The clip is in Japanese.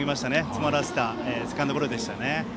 詰まらせたセカンドゴロでしたね。